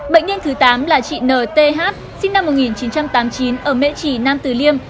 bệnh nhân thứ tám là chị n t h sinh năm một nghìn chín trăm tám mươi chín ở mễ trì nam từ liêm